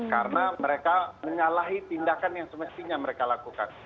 karena mereka menyalahi tindakan yang semestinya mereka lakukan